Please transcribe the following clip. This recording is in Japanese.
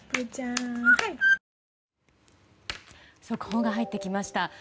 速報が入ってきました。